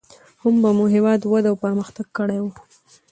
هم به مو هېواد وده او پرمختګ کړى و.